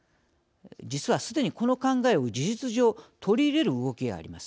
実はすでにこの考えを事実上取り入れる動きがあります。